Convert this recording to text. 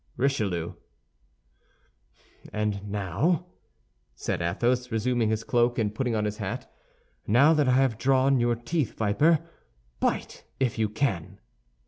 "RICHELIEU" "And now," said Athos, resuming his cloak and putting on his hat, "now that I have drawn your teeth, viper, bite if you can."